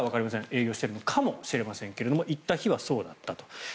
営業しているのかもしれませんが行った日はそうだったと。